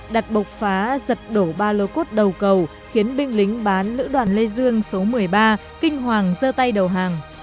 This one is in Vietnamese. đặt bộc phá giật đổ ba lô cốt đầu cầu khiến binh lính bán lữ đoàn lê dương số một mươi ba kinh hoàng dơ tay đầu hàng